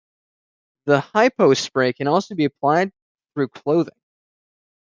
The hypospray can also be applied through clothing.